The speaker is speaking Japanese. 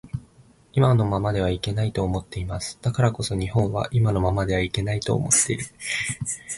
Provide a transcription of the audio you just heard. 今のままではいけないと思っています。だからこそ日本は今のままではいけないと思っている